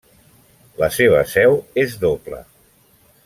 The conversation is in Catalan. La seva seu és doble: